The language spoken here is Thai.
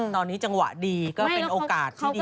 ตอนนี้จังหวะดีก็เป็นโอกาสที่ดี